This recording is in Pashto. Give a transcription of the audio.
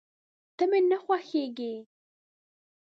ته مي نه خوښېږې !